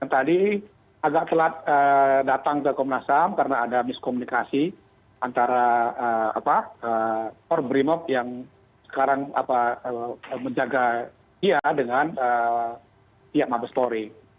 tadi agak telat datang ke komnas ham karena ada miskomunikasi antara kor brimob yang sekarang menjaga dia dengan pihak mabes polri